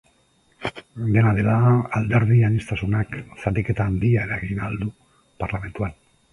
Dena dela, alderdi-aniztasunak zatiketa handia eragin ahal du parlamentuan.